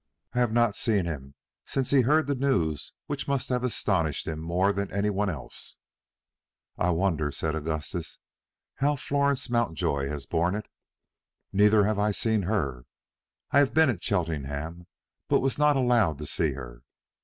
"I have not seen him since he heard the news which must have astonished him more than any one else." "I wonder," said Augustus, "how Florence Mountjoy has borne it?" "Neither have I seen her. I have been at Cheltenham, but was not allowed to see her."